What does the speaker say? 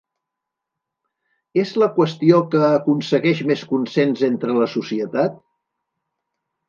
És la qüestió que aconsegueix més consens entre la societat?